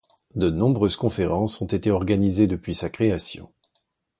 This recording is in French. De nombreuses conférences ont été organisées depuis sa création.